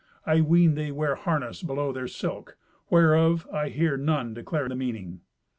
I ween they wear harness below their silk, whereof I hear none declare the meaning."